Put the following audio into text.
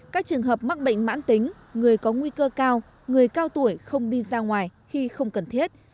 các trường hợp mắc bệnh mãn tính người có nguy cơ cao người cao tuổi không đi ra ngoài khi không cần thiết